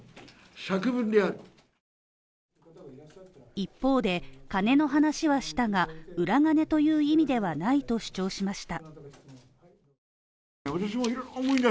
一方で、金の話はしたが、裏金という意味ではないと主張しました。